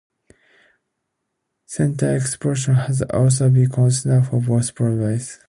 Centaur exploration has also been considered for both probes.